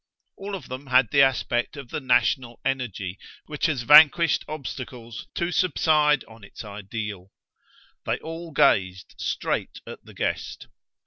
All of them had the aspect of the national energy which has vanquished obstacles to subside on its ideal. They all gazed straight at the guest.